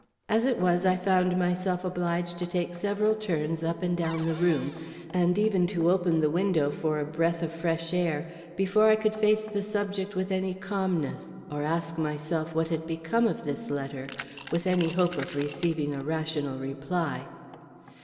As it was, I found myself obliged to take several turns up and down the room, and even to open the window for a breath of fresh air, before I could face the subject with any calmness, or ask myself what had become of this letter, with any hope of receiving a rational reply.